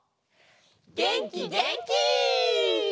げんきげんき！